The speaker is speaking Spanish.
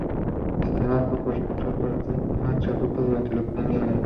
Además, fue corresponsal para Harper`s Magazine en Europa durante la Primera Guerra Mundial.